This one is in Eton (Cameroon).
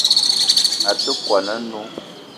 A te kwuan a-nnó